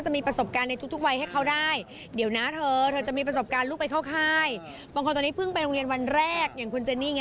เจอโน่นหน้าแล้วเป็นอย่างไรหรือเปล่าคะฟัดเลยหรือเปล่าน่ารักมาก